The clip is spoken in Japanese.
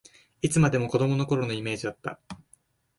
いつまでも子どもの頃のイメージだった